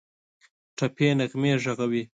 ټپي نغمې ږغوي